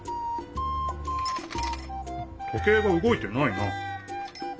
時計がうごいてないな。